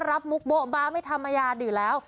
รับมุกโบ๊ะบ้าไม่ธรรมญาณอยู่แล้ว